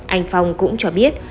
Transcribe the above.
anh phong cũng cho biết